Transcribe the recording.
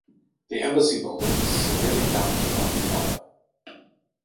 The embassy building was severely damaged by fire.